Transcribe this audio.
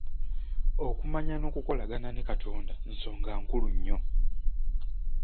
Okumanya n’okukolagana ne katonda nsonga nkulu nnyo.